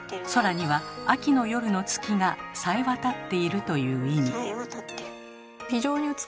空には秋の夜の月がさえわたっている」という意味。